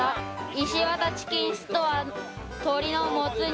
「石渡チキンストアとりのもつ煮」